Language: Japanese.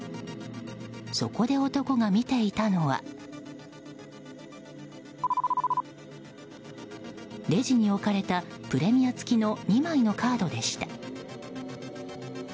そこで男が見ていたのはレジに置かれたプレミア付きの２枚のカードでした。